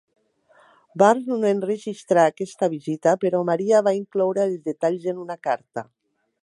Burns no enregistrà aquesta visita, però Maria va incloure els detalls en una carta.